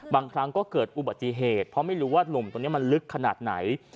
บางครั้งก็เกิดอุบัติเหตุเพราะไม่รู้ว่าหลุมตรงนี้มันลึกขนาดไหน